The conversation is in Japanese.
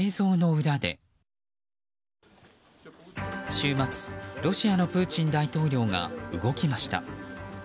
週末、ロシアのプーチン大統領が動きました。